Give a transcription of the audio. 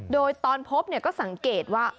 โดยตอนพบเนี่ยก็สังเกตว่า